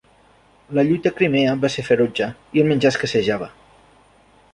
La lluita a Crimea va ser ferotge, i el menjar escassejava.